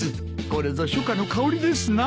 これぞ初夏のかおりですな。